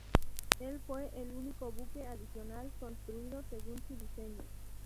El fue el único buque adicional construido según su diseño.